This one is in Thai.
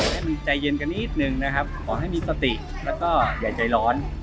ให้มันใจเย็นกันนิดนึงนะครับขอให้มีสติแล้วก็อย่าใจร้อน